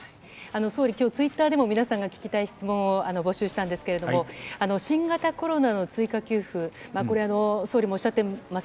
総理、きょう、ツイッターでも皆さんが聞きたい質問を募集したんですけれども、新型コロナの追加給付、これ、総理もおっしゃっています